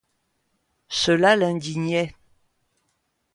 Cela l'indignait.